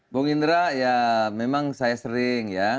bung indra ya memang saya sering ya